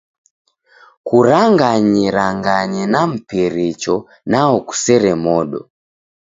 Kuranganyeranganye na mpiricho, nao kusere modo.